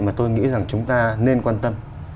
mà tôi nghĩ rằng chúng ta nên quan tâm